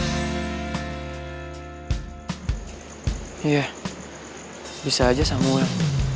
iya bisa aja samuel